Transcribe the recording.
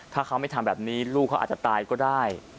ถ้าเขาไม่ทำแบบนี้ลูกเขาอาจจะตายก็ได้